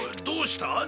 どうした？